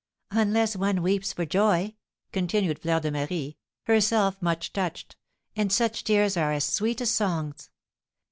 "Unless one weeps for joy," continued Fleur de Marie, herself much touched, "and such tears are as sweet as songs.